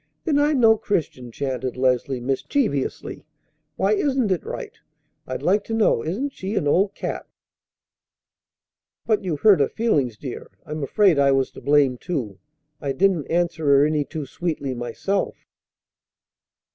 "Then I'm no Christian," chanted Leslie mischievously. "Why isn't it right, I'd like to know? Isn't she an old cat?" "But you hurt her feelings, dear. I'm afraid I was to blame, too; I didn't answer her any too sweetly myself."